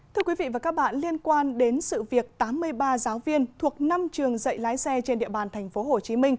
thưa quý vị và các bạn liên quan đến sự việc tám mươi ba giáo viên thuộc năm trường dạy lái xe trên địa bàn tp hcm